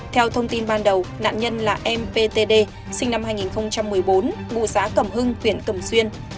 theo thông tin ban đầu nạn nhân là mptd sinh năm hai nghìn một mươi bốn ngụ xã cầm hưng huyện cầm xuyên